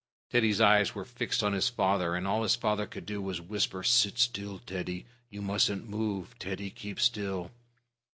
Teddy's eyes were fixed on his father, and all his father could do was to whisper, "Sit still, Teddy. You mustn't move. Teddy, keep still."